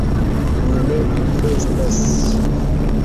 Mi ne estas ŝi.